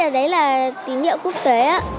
đấy là tín hiệu quốc tế